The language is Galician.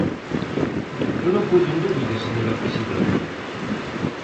Non o poño en dúbida, señora presidenta.